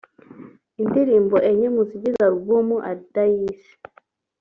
Indirimbo enye mu zigize Album Alida yise